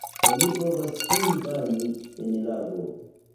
Oni povas sin bani en lago.